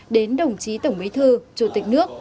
đến đồng chí tổng bí thư chủ tịch nước